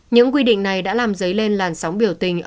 những quy định này đã làm dấy lên làn sóng biểu tình